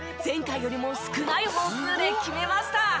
前回よりも少ない本数で決めました！